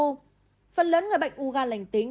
phần lớn người bệnh u gan lành tính